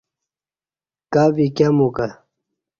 کہ وی کہ مکہ